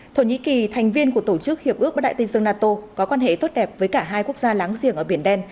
thổ nhĩ kỳ thành viên của tổ chức hiệp ước bất đại tây dương nato